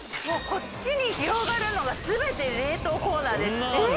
もうこっちに広がるのがすべて冷凍コーナーです。